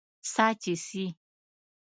سا چې سي